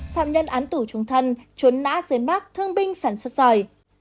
phạm nhân án tủ trung thân trốn nã dưới mắt thương binh sản xuất giỏi